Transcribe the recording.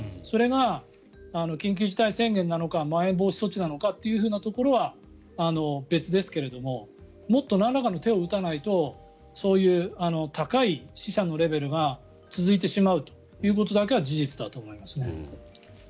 それが緊急事態宣言なのかまん延防止措置なのかというところは別ですけどもっとなんらかの手を打たないとそういう高い死者のレベルが続いてしまうということだけは事実だと思いますね。